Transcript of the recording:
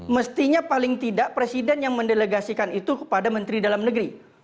mestinya paling tidak presiden yang mendelegasikan itu kepada menteri dalam negeri